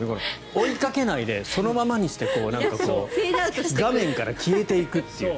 追いかけないでそのままにして画面から消えていくという。